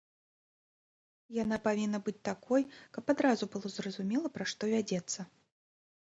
Яна павінна быць такой, каб адразу было зразумела, пра што вядзецца.